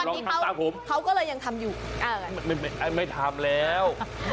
ทุกวันนี้เขาก็เลยยังทำอยู่ไม่ทำแล้ว